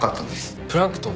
プランクトン？